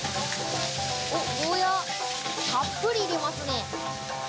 ゴーヤー、たっぷり入れますね。